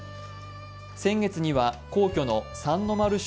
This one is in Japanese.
先月には皇居の三の丸尚